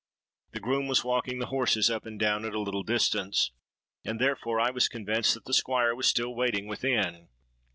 The groom was walking the horses up and down at a little distance; and, therefore, I was convinced that the Squire was still waiting within.